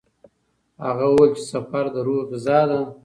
هغه وویل چې سفر د روح غذا ده.